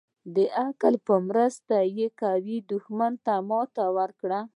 د عقل په مرسته يې قوي دښمن مات كړى و.